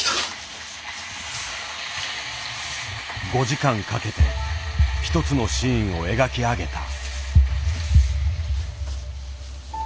５時間かけて１つのシーンを描き上げた。